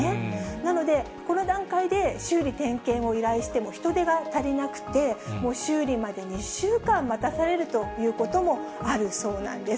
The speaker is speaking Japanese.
なので、この段階で修理、点検を依頼しても人手が足りなくて、修理までに２週間待たされるということもあるそうなんです。